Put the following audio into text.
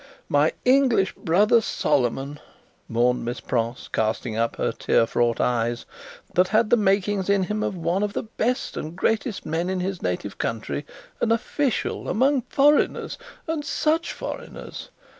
"My English brother Solomon," mourned Miss Pross, casting up her tear fraught eyes, "that had the makings in him of one of the best and greatest of men in his native country, an official among foreigners, and such foreigners!